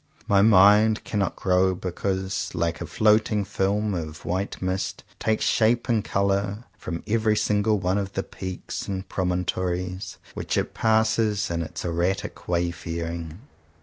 My mind cannot grow because like a floating film of white mist, it takes shape and colour from every single one of the peaks and promontories which it passes in its erratic wayfaring.